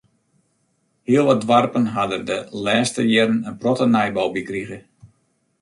Hiel wat doarpen ha der de lêste jierren in protte nijbou by krige.